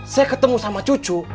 saya ketemu sama cucu